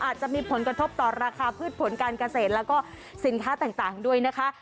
อาจจะมีผลกระทบต่อราคาพืชผลการเกษตรแล้วก็สินค้าต่างด้วยนะคะ